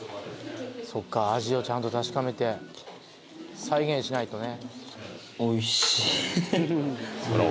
そっか味をちゃんと確かめて再現しないとね